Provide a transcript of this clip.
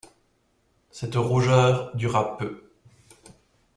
Cette rougeur dura peu.